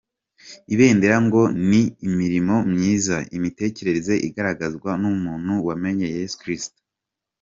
Ibendera ngo ni imirimo myiza, imitekerereze igaragazwa n’umuntu wamenye Yesu Kristo.